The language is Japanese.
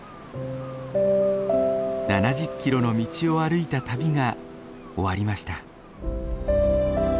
７０キロの道を歩いた旅が終わりました。